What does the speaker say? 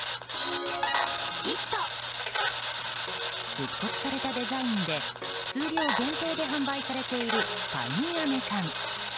復刻されたデザインで数量限定で販売されているパインアメ缶。